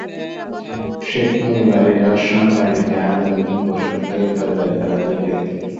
শেখ নূর বাইরে যাওয়ার সময় বাড়ির জানালাবিহীন বসতঘরের দরজায় তালা দিয়ে যেতেন।